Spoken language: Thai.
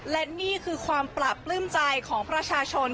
และนี่คือความปราบปลื้มใจของประชาชน